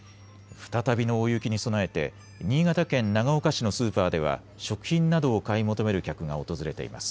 再びの大雪に備えて新潟県長岡市のスーパーでは食品などを買い求める客が訪れています。